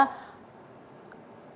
maunya elieger nanti diperoleh